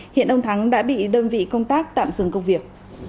hiện ông thắng đã bị đơn vị công tác tạm dừng công việc